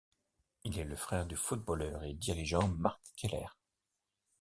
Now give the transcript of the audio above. Il est le frère du footballeur et dirigeant Marc Keller.